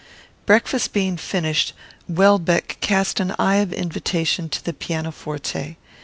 Breakfast being finished, Welbeck cast an eye of invitation to the piano forte.